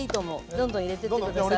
どんどん入れてって下さい。